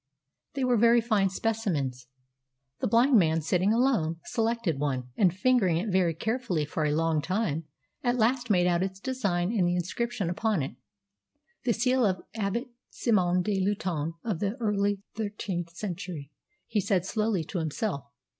They were very fine specimens. The blind man, sitting alone, selected one, and, fingering it very carefully for a long time, at last made out its design and the inscription upon it. "The seal of Abbot Simon de Luton, of the early thirteenth century," he said slowly to himself.